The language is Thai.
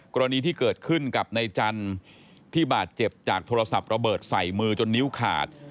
กรณีที่เกิดขึ้นกับนายจันทร์ที่บาดเจ็บจากโทรศัพท์ระเบิดใส่มือจนนิ้วขาด